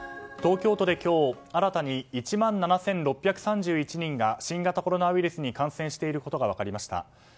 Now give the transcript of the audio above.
東京都で今日新たに１万７６３１人が新型コロナウイルスに感染していることが分かりました。